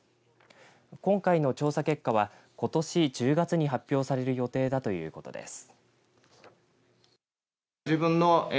今回の調査結果はことし１０月に発表される予定だということです。